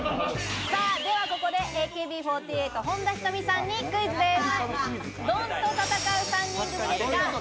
ではここで、ＡＫＢ４８・本田仁美さんにクイズです。